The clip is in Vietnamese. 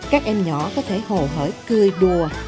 các em nhỏ có thể hồ hởi cười đùa